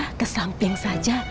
kita kesamping saja